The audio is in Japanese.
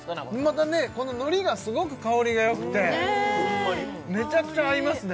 またねこの海苔がすごく香りがよくてめちゃくちゃ合いますね